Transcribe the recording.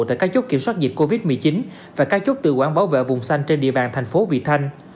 tại các chốt kiểm soát dịch covid một mươi chín và các chốt tự quản bảo vệ vùng xanh trên địa bàn thành phố vị thanh